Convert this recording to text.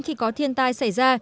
khi có thiên tai xảy ra